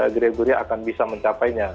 gregoria akan bisa mencapainya